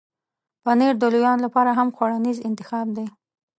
پنېر د لویانو لپاره هم خوړنیز انتخاب دی.